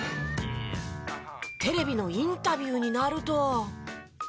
テレビのインタビューになると。